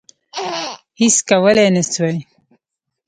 هیڅ کولای نه سوای.